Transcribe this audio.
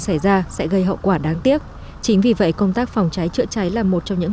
xảy ra sẽ gây hậu quả đáng tiếc chính vì vậy công tác phòng cháy chữa cháy là một trong những